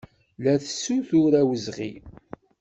La tessutur awezɣi.